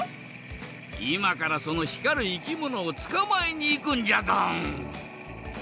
いまからその光るいきものをつかまえにいくんじゃドン。